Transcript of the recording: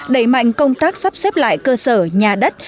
đẩy mạnh công tác sắp xếp lại cơ sở nhà đất